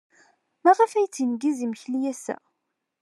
Maɣef ay tneggez imekli ass-a?